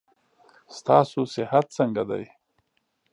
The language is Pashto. ستاسو صحت څنګه ده.